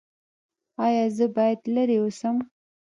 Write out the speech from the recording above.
ایا زه باید لرې اوسم؟